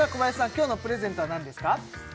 今日のプレゼントは何ですか？